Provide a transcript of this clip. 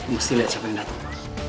mesti lihat siapa yang datang